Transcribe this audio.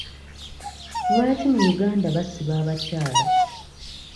Lwaki mu Uganda basiba abakyala?